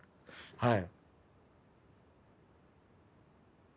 はい。